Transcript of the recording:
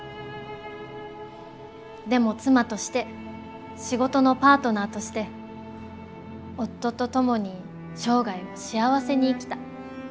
でも妻として仕事のパートナーとして夫と共に生涯を幸せに生きた。